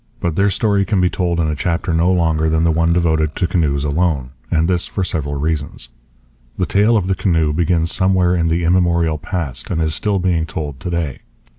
But their story can be told in a chapter no longer than the one devoted to canoes alone; and this for several reasons. The tale of the canoe begins somewhere in the immemorial past and is still being told to day.